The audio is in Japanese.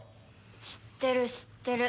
知ってる知ってる。